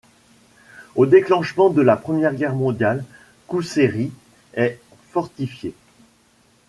Au déclenchement de la Première Guerre mondiale, Kousséri est fortifiée.